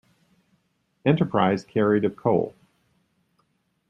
"Enterprise" carried of coal.